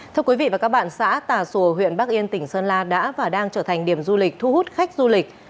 thưa quý vị và các bạn xã tà sùa huyện bắc yên tỉnh sơn la đã và đang trở thành điểm du lịch thu hút khách du lịch